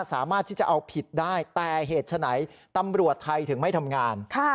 สามารถที่จะเอาผิดได้แต่เหตุฉะไหนตำรวจไทยถึงไม่ทำงาน